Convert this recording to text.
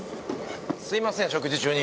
すいません食事中に。